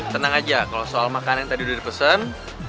tenang aja kalau soal makanan yang tadi udah dipesan